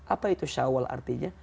apa itu shawwal artinya